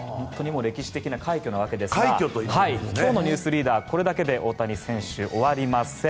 歴史的な快挙なわけですが今日の「ニュースリーダー」これだけで大谷選手終わりません。